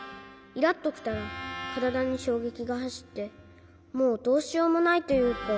イラッときたらからだにしょうげきがはしってもうどうしようもないというか。